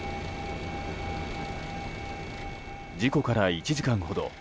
事故から１時間ほど。